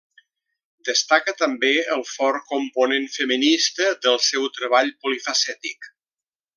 Destaca també el fort component feminista del seu treball polifacètic.